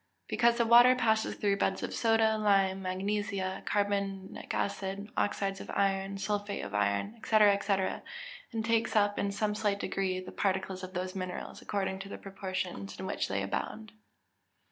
_ Because the water passes through beds of soda, lime, magnesia, carbonic acid, oxides of iron, sulphate of iron, &c., &c., and takes up in some slight degree the particles of those minerals, according to the proportions in which they abound.